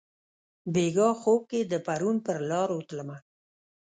بیګاه خوب کښي د پرون پرلارو تلمه